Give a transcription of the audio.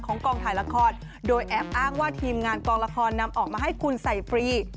กองถ่ายละครโดยแอบอ้างว่าทีมงานกองละครนำออกมาให้คุณใส่ฟรี